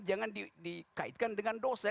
jangan dikaitkan dengan dosa